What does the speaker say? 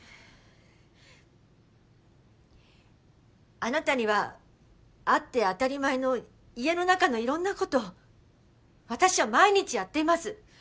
あなたにはあって当たり前の家の中のいろんなこと私は毎日やっています。